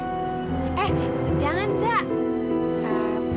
eh jangan zak